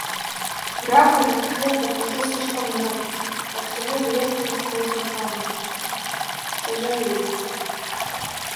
Раковых клеток уже слишком много, так что мы вряд ли сможем помочь. Сожалею...